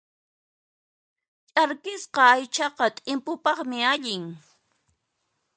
Ch'arkisqa aychaqa t'impupaqmi allin.